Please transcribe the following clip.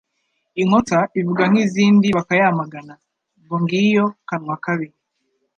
Inkotsa ivuga nk’izindi bakayamagana (ngo ngiyo kanwa kabi)